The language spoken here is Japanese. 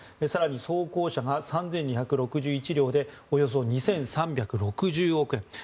更に装甲車が３２６１両でおよそ２３６０億円。